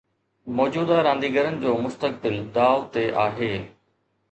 موجوده رانديگرن جو مستقبل داء تي آهي